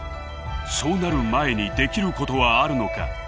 そうなる前にできることはあるのか。